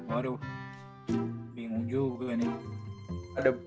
waduh bingung juga nih